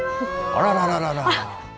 あららららら。